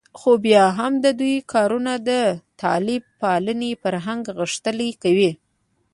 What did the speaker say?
خو بیا هم د دوی کارونه د طالب پالنې فرهنګ غښتلی کوي